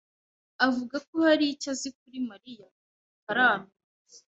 avuga ko hari icyo azi kuri Mariya tutaramenya.